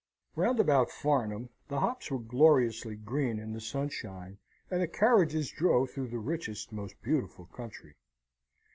Round about Farnham the hops were gloriously green in the sunshine, and the carriages drove through the richest, most beautiful country.